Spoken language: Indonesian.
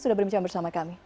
sudah berbincang bersama kami